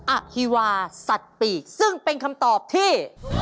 อฮีวาสัตว์ปีกซึ่งเป็นคำตอบที่